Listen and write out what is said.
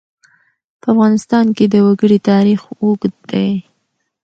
په افغانستان کې د وګړي تاریخ اوږد دی.